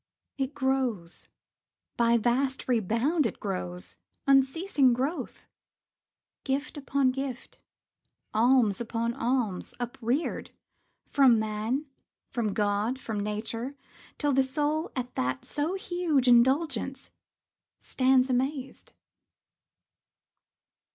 It grows— By vast rebound it grows, unceasing growth; Gift upon gift, alms upon alms, upreared, From man, from God, from nature, till the soul At that so huge indulgence stands amazed.